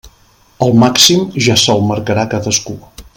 El màxim ja se'l marcarà cadascú.